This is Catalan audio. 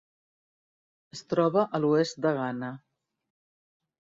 Es troba a l'oest de Ghana.